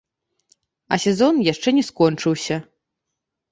А сезон яшчэ не скончыўся.